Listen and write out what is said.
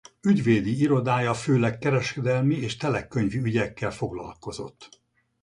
Ügyvédi irodája főleg kereskedelmi és telekkönyvi ügyekkel foglalkozott.